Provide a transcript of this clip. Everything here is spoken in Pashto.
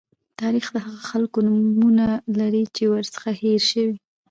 تاریخ د هغو خلکو نومونه لري چې ورڅخه هېر شوي.